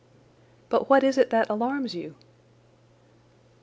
"But what is it that alarms you?"